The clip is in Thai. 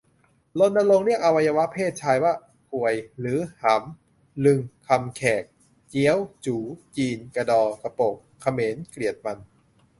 รณรงค์เรียกอวัยวะเพศชายว่า "ควย" หรือ "หำ" ลึงค์ คำแขก; เจี๊ยว จู๋ จีน; กะดอ กะโปก เขมร-เกลียดมัน